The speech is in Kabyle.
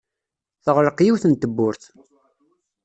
Teɣleq yiwet n tewwurt.